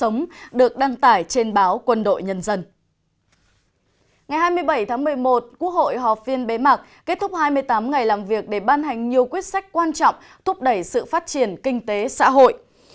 ngày hai mươi bảy tháng một mươi một quốc hội họp phiên bế mạc kết thúc hai mươi tám ngày làm việc để ban hành nhiều quyết sách quan trọng thúc đẩy sự phát triển kinh tế xã hội